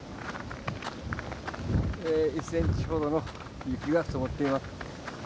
１センチほどの雪が積もっています。